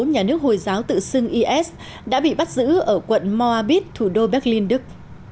nhà thờ hồi giáo tự xưng is đã bị bắt giữ ở quận moabit thủ đô berlin đức